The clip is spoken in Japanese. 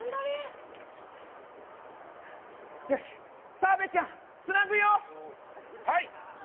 澤部ちゃん、つなぐよ！